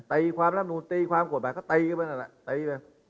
ตีความรำหนูตีความกฎหมายก็ตายกันมาเนี่ย